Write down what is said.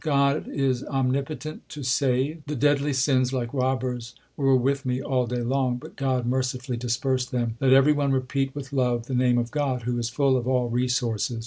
God is omnipotent to save : The deadly sins like robbers were with me all day long, But God mercifully dispersed them. Let every one repeat with love the name of God Who is full of all resources.